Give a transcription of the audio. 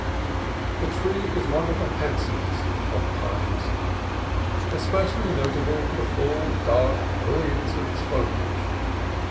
The tree is one of the handsomest of the pines, especially notable for the full, dark bril liance of its foliage.